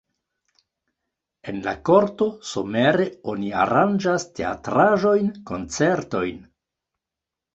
En la korto somere oni aranĝas teatraĵojn, koncertojn.